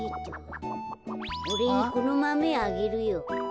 おれいにこのマメあげるよ。